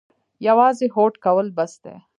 یوازې هوډ کول بس دي؟